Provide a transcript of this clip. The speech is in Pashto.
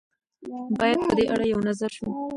باید په دې اړه یو نظر شو.